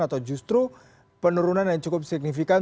atau justru penurunan yang cukup signifikan